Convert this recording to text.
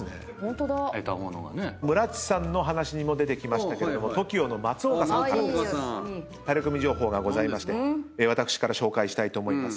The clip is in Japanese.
むらっちさんの話にも出てきましたけれどもＴＯＫＩＯの松岡さんからタレコミ情報がございまして私から紹介したいと思います。